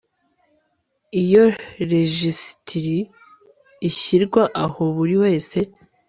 iyo rejisitiri ishyirwa aho buri wese